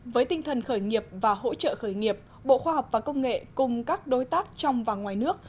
với tinh thần khởi nghiệp và hỗ trợ khởi nghiệp bộ khoa học và công nghệ cùng các đối tác trong và ngoài nước